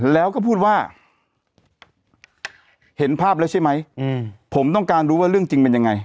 แล้วก็พูดว่าเห็นภาพแล้วใช่ไหมผมต้องการรู้ว่าเรื่องจริงเป็นยังไง